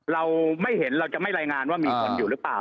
เราไม่เห็นเราจะไม่รายงานว่ามีคนอยู่หรือเปล่า